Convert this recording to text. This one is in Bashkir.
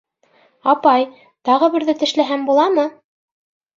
— Апай, тағы берҙе тешләһәм буламы?